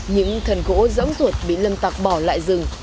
những thần gỗ rỗng ruột bị lâm tặc bỏ lại rừng